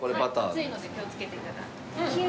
熱いので気をつけてください。